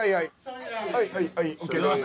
はいはいはいＯＫです。